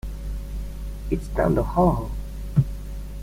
It's down the hall.